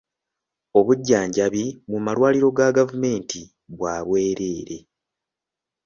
Obujjanjabi mu malwaliro ga gavumenti bwa bwereere.